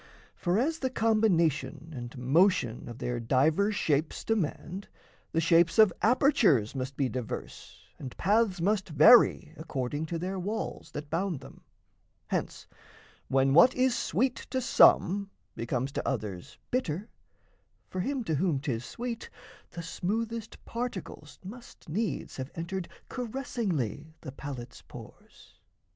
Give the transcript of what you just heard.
For, as the combination And motion of their divers shapes demand, The shapes of apertures must be diverse And paths must vary according to their walls That bound them. Hence when what is sweet to some, Becomes to others bitter, for him to whom 'Tis sweet, the smoothest particles must needs Have entered caressingly the palate's pores.